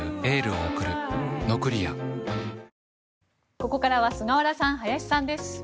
ここからは菅原さん林さんです。